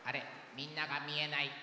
みんながみえない。